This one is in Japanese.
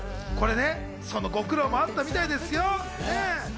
そのご苦労もあったみたいですよ。